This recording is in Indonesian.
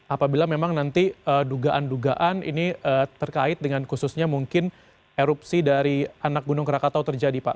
apabila memang nanti dugaan dugaan ini terkait dengan khususnya mungkin erupsi dari anak gunung krakatau terjadi pak